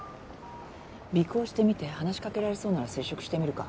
尾行してみて話しかけられそうなら接触してみるか。